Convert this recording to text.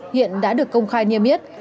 hiện đã được công khai niêm yết